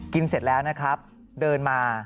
เสร็จแล้วนะครับเดินมา